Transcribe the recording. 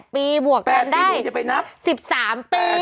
๘ปีบวกกันได้๑๓ปี